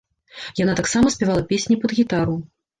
Яна таксама спявала песні пад гітару.